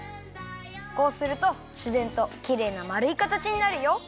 こうするとしぜんときれいなまるいかたちになるよ。